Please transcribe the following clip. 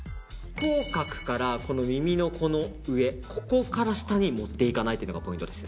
口角から耳の上、ここから下に持っていかないのがポイントです。